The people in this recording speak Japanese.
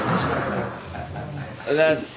おはようございます。